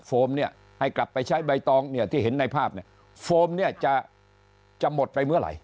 เนี่ยให้กลับไปใช้ใบตองเนี่ยที่เห็นในภาพเนี่ยโฟมเนี่ยจะจะหมดไปเมื่อไหร่